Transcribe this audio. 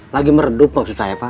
lagi meredup maksud saya pak